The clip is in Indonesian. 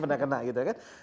pernah kena gitu kan